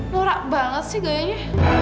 lorak banget sih kayaknya